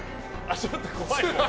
ちょっと怖い。